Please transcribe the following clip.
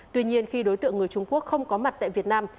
tuy nhiên khi đối tượng người trung quốc không có mặt tại việt nam